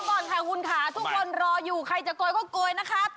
ด้วยแก่คุณเดือดถ่ายมุธมัติจากกรุงเทพฯ